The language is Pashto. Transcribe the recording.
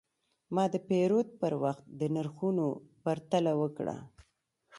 ما د پیرود پر وخت د نرخونو پرتله وکړه.